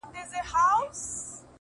نه یې ږغ سو د چا غوږ ته رسېدلای -